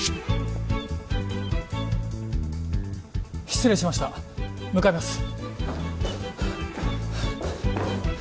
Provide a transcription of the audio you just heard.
失礼しました向かいます